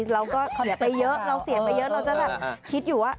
เราก็เสียไปเยอะเราจะแบบคิดอยู่ว่า